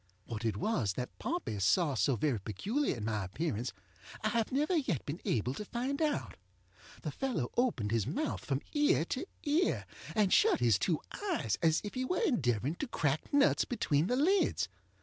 What it was that Pompey saw so very peculiar in my appearance I have never yet been able to find out. The fellow opened his mouth from ear to ear, and shut his two eyes as if he were endeavoring to crack nuts between the lids.